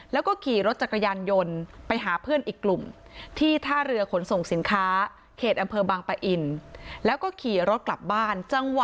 แล้วก็ขี่รถจักรยานยนต์ไปหาเพื่อนอีกกลุ่ม